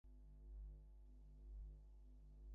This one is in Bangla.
সমস্ত জীবনই এমনি করিয়া কাটিতে পারিত।